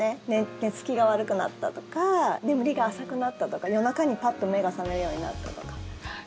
寝付きが悪くなったとか眠りが浅くなったとか夜中にパッと目が覚めるようになったとか。